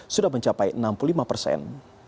sudah mencapai enam puluh lima persen